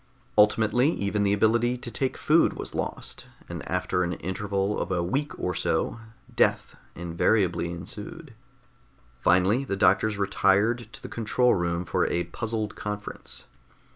Ultimately even the ability to take food was lost, and after an interval of a week or so, death invariably ensued. Finally the doctors retired to the control room for a puzzled conference.